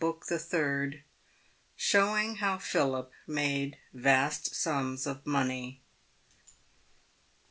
CHAPTEE XVII. SHOWING HOW PHILIP MADE VAST SUMS OF MONEY.